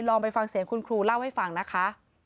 ไปฟังเสียงคุณครูเล่าให้ฟังนะคะ